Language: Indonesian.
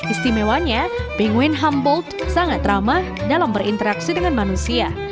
istimewanya pingwin humboldt sangat ramah dalam berinteraksi dengan manusia